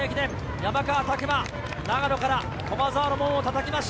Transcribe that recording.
山川拓馬、長野から駒澤の門を叩きました。